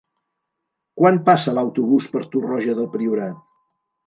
Quan passa l'autobús per Torroja del Priorat?